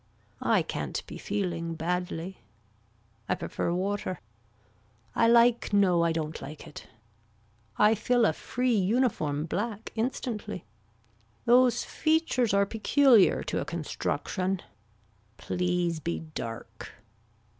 I can't be feeling badly. I prefer water. I like no I don't like it. I fill a free uniform black instantly. Those features are peculiar to a construction. Please be dark.